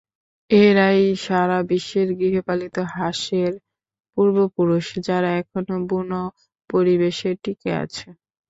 এরাই সারা বিশ্বের গৃহপালিত হাঁসের পূর্বপুরুষ, যারা এখনো বুনো পরিবেশে টিকে আছে।